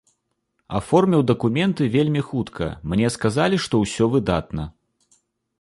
Аформіў дакументы вельмі хутка, мне сказалі, што ўсё выдатна.